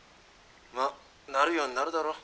「まあなるようになるだろ。